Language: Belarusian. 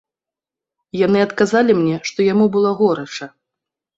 Яны адказалі мне, што яму было горача.